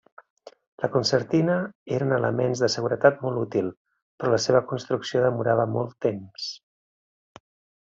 La concertina eren elements de seguretat molt útil, però la seva construcció demorava molt temps.